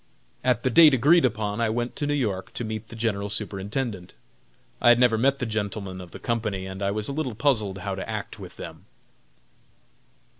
At the date agreed upon I went to New York to meet the General Superintendent. I had never met the gentlemen of the company and I was a little puzzled how to act with them.